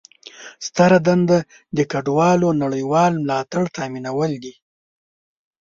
ستره دنده د کډوالو نړیوال ملاتړ تامینول دي.